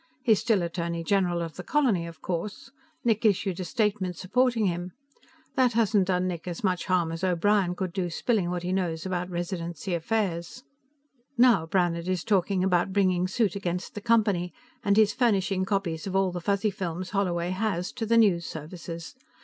He's still Attorney General of the Colony, of course; Nick issued a statement supporting him. That hasn't done Nick as much harm as O'Brien could do spilling what he knows about Residency affairs. "Now Brannhard is talking about bringing suit against the Company, and he's furnishing copies of all the Fuzzy films Holloway has to the news services.